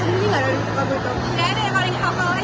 tidak ada yang paling hafal lagi